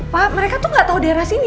pak mereka tuh gak tau daerah sini